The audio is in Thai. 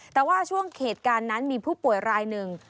แต่ว่าช่วงเหตุการณ์นั้นมีผู้ป่วยรายหนึ่ง